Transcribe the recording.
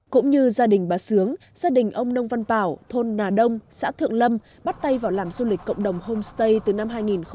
cũng như gia đình bà sướng gia đình ông nông văn bảo thôn nà đông xã thượng lâm bắt tay vào làm du lịch cộng đồng homestay từ năm hai nghìn một mươi